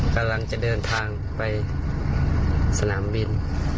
กำลังจะเดินทางไปสนามบิน